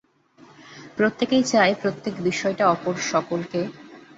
প্রত্যেকেই চায়, প্রত্যেক বিষয়টা অপর সকলে তাহারই মত দেখুক ও বুঝুক।